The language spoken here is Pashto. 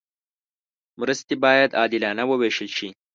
مرستې باید عادلانه وویشل شي.